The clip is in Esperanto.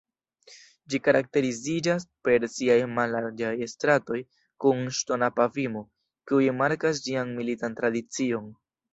Ĝi karakteriziĝas per siaj mallarĝaj stratoj kun ŝtona pavimo, kiuj markas ĝian militan tradicion.